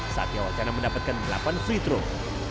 satya wacana mendapatkan delapan free throw